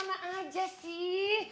kamu kemana aja sih